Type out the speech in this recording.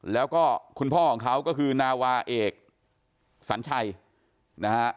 แล้วก็คุณพ่อของเขาก็คือนาวาเอกสัญชัยนะฮะ